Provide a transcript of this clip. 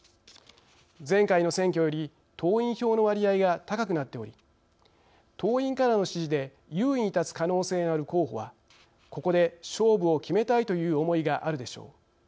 前回の選挙より党員票の割合が高くなっており党員からの支持で優位に立つ可能性のある候補はここで勝負を決めたいという思いがあるでしょう。